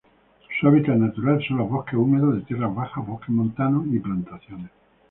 Su hábitat natural son los bosques húmedos de tierras bajas, bosques montanos y plantaciones.